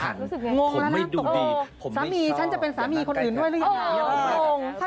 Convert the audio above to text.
งงนะตกดีสามีฉันจะเป็นสามีคนอื่นด้วยหรืออย่างนั้น